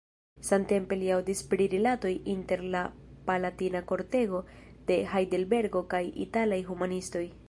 Samtempe li aŭdis pri rilatoj inter la palatina kortego de Hajdelbergo kaj italaj humanistoj.